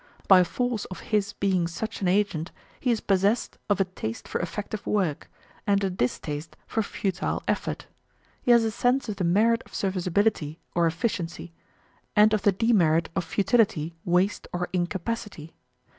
By force of his being such an agent he is possessed of a taste for effective work, and a distaste for futile effort. He has a sense of the merit of serviceability or efficiency and of the demerit of futility, waste, or incapacity.